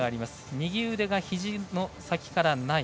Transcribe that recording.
右腕がひじの先からない。